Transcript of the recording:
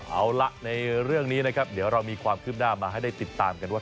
เอาละในเรื่องนี้นะครับเดี๋ยวเรามีความคืบหน้ามาให้ได้ติดตามกันว่า